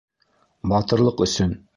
Батырлыҡ өсөн!